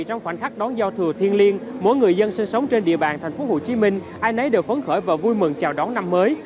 trong khoảnh khắc giao thừa thiên liêng mỗi người dân sinh sống trên địa bàn thành phố hồ chí minh ai nấy đều phấn khởi và vui mừng chào đón năm mới